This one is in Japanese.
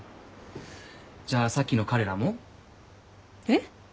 じゃあさっきの彼らも？えっ？